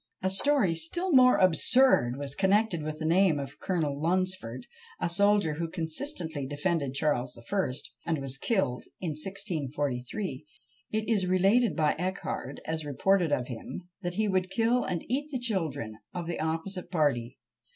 A story still more absurd was connected with the name of Colonel Lunsford, a soldier who consistently defended Charles I., and was killed in 1643. It is related by Echard as reported of him, that he would kill and eat the children of the opposite party.